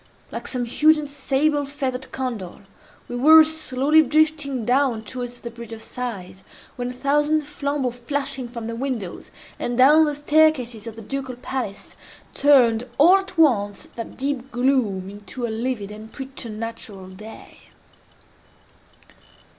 Like some huge and sable feathered condor, we were slowly drifting down towards the Bridge of Sighs, when a thousand flambeaux flashing from the windows, and down the staircases of the Ducal Palace, turned all at once that deep gloom into a livid and preternatural day.